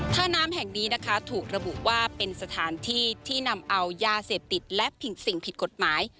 ท่าน้ำแห่งนี้นะคะถูกระบุว่าเป็นสถานที่ที่นำเอายาเสพติดและสิ่งผิดกฎหมาย